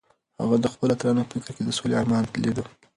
هغه د خپلو اتلانو په فکر کې د سولې ارمان لیده.